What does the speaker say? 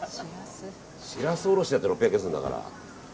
シラスおろしだって６００円するんだから。